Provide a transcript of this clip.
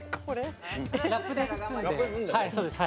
ラップで包んで。